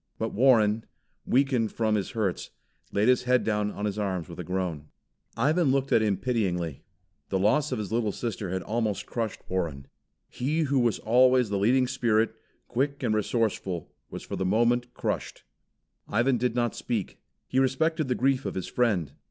But Warren, weakened from, his hurts, laid his head down on his arms with a groan. Ivan looked at him pityingly. The loss of his little sister had almost crushed Warren. He who was always the leading spirit, quick and resourceful, was for the moment crushed. Ivan did not speak. He respected the grief of his friend.